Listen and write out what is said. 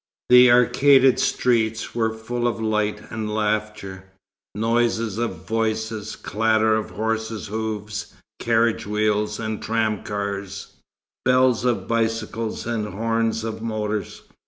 The arcaded streets were full of light and laughter, noise of voices, clatter of horses' hoofs, carriage wheels, and tramcars, bells of bicycles and horns of motors.